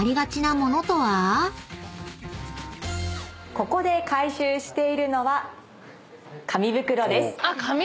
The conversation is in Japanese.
ここで回収しているのは紙袋です。